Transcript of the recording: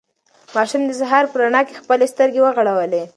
ماشوم د سهار په رڼا کې خپلې سترګې وغړولې.